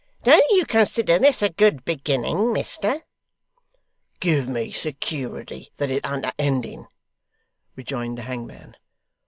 'Don't you consider this a good beginning, mister?' 'Give me security that it an't a ending,' rejoined the hangman.